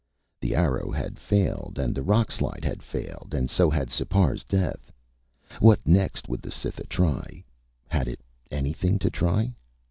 The arrow had failed and the rockslide had failed and so had Sipar's death. What next would the Cytha try? Had it anything to try?